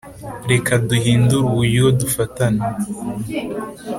reka duhindure uburyo dufatana